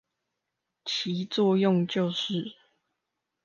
其作用就是